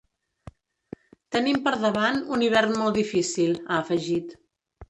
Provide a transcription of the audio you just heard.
Tenim per davant un hivern molt difícil, ha afegit.